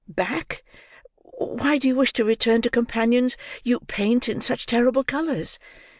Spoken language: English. Back! Why do you wish to return to companions you paint in such terrible colors?